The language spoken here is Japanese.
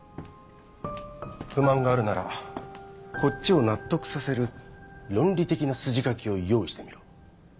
不満があるならこっちを納得させる論理的な筋書きを用意してみろ。